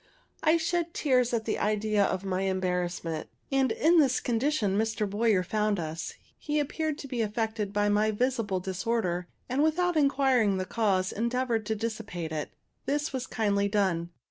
I shed tears at the idea of my embarrassment; and in this condition Mr. Boyer found us. He appeared to be affected by my visible disorder, and, without inquiring the cause, endeavored to dissipate it. This was kindly done.